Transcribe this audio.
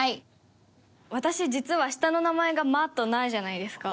私実は下の名前が「ま」と「な」じゃないですか。